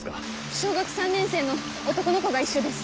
小学３年生の男の子が一緒です。